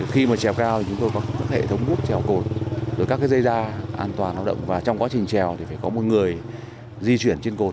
khi mà chèo cao thì chúng tôi có các hệ thống bút chèo cột các dây da an toàn lao động và trong quá trình chèo thì phải có một người di chuyển trên cột